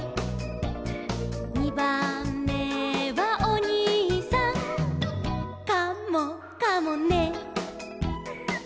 「にばんめはおにいさん」「カモかもね」